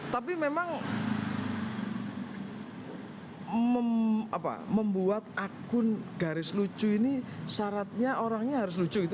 tapi memang membuat akun garis lucu ini syaratnya orangnya harus lucu gitu